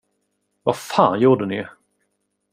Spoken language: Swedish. Vad fan gjorde ni?